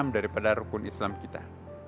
daripada rukun islam kita